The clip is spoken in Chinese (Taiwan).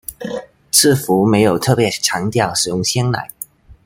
似乎沒有特別強調使用鮮奶